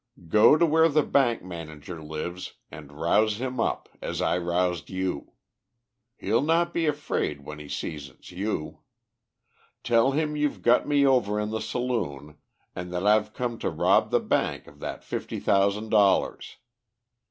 Go to where the bank manager lives and rouse him up as I roused you. He'll not be afraid when he sees it's you. Tell him you've got me over in the saloon, and that I've come to rob the bank of that fifty thousand dollars.